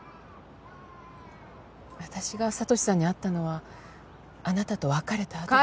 私が聡史さんに会ったのはあなたと別れたあとで。